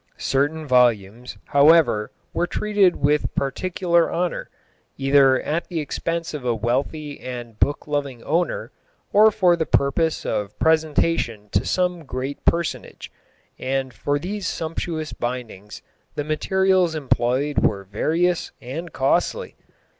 Certain volumes, however, were treated with particular honour, either at the expense of a wealthy and book loving owner, or for the purpose of presentation to some great personage, and for these sumptuous bindings the materials employed were various and costly.